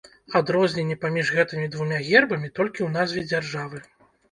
Адрозненне паміж гэтымі двума гербамі толькі ў назве дзяржавы.